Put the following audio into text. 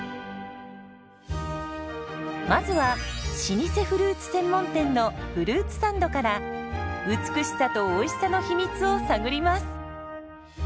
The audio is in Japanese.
まずは老舗フルーツ専門店のフルーツサンドから美しさとおいしさの秘密を探ります。